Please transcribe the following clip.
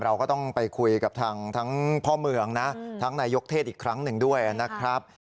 เราก็ต้องไปคุยกับทั้งพ่อเมืองนะทั้งนายยกเทศอีกครั้งหนึ่งด้วยนะครับ